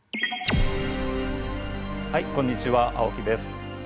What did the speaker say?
はいこんにちは青木です。